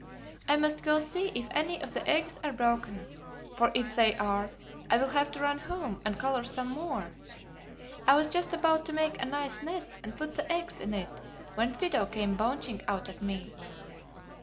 "I must go see if any of the eggs are broken, for if they are, I will have to run home and color some more! I was just about to make a nice nest and put the eggs in it when Fido came bouncing out at me!"